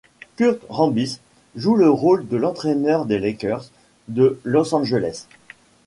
Kurt Rambis joue le rôle de l'entraîneur des Lakers de Los Angeles.